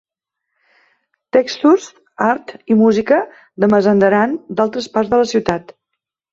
Textos, art i música de Mazandaran d"altres parts de la ciutat.